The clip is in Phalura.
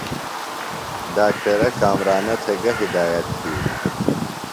ڈاکٹرہ کامرانہ تھےۡ گہ ہدایت تِھیلیۡ؟